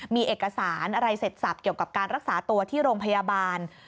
มีเอกสารอะไรเสร็จสับเกี่ยวกับการรักษาตัวที่โรงพยาบาล